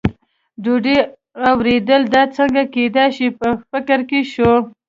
ډوډۍ او ورېدل، دا څنګه کېدای شي، په فکر کې شو.